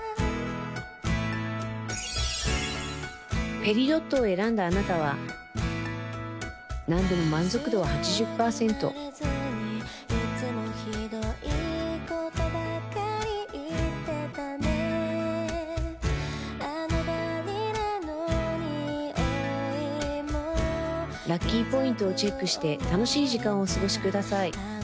ペリドットを選んだあなたは何でも満足度は８０パーセントラッキーポイントをチェックして楽しい時間をお過ごしください